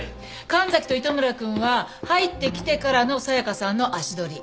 神崎と糸村くんは入ってきてからの紗香さんの足取り。